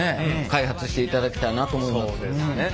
開発していただきたいなと思います。